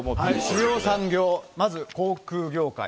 主要産業、まず航空業界。